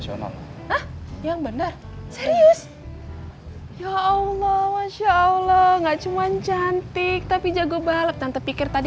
yang bener serius ya allah masya allah enggak cuman cantik tapi jago balap tante pikir tadi